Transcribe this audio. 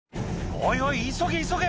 「おいおい急げ急げ！